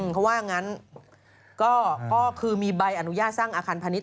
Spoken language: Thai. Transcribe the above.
เขาว่างั้นก็คือมีใบอนุญาตสร้างอาคารพาณิช